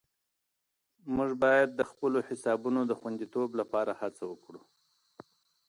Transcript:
موږ باید د خپلو حسابونو د خوندیتوب لپاره هڅه وکړو.